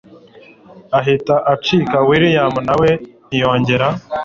ihita icika william nawe ntiyongera